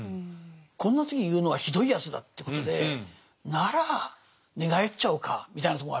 こんな時に言うのはひどいやつだということでなら寝返っちゃおうかみたいなとこもあるんですね。